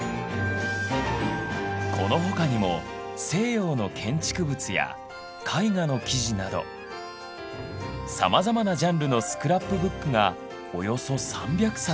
この他にも西洋の建築物や絵画の記事などさまざまなジャンルのスクラップブックがおよそ３００冊